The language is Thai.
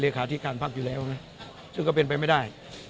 ที่การพักอยู่แล้วนะซึ่งก็เป็นไปไม่ได้